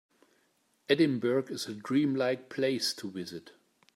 Edinburgh is a dream-like place to visit.